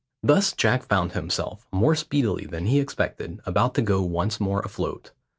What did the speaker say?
Thus Jack found himself, more speedily than he expected, about to go once more afloat.